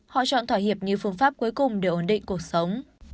họ chọn thỏa hiệp như phương pháp cuối cùng để ổn định cuộc sống